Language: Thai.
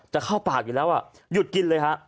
จะเข้าปากอยู่แล้วหยุดกินเลยฮะ